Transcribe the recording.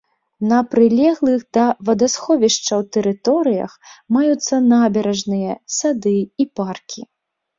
На прылеглых да вадасховішчаў тэрыторыях маюцца набярэжныя, сады і паркі.